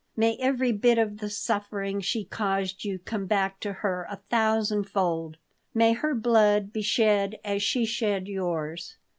May every bit of the suffering she caused you come back to her a thousandfold. May her blood be shed as she shed yours."